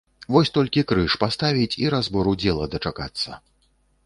Вось толькі крыж паставіць і разбору дзела дачакацца!